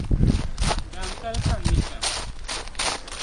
Dantali ka n ni chaŋ.